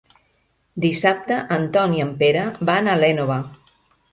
Dissabte en Ton i en Pere van a l'Énova.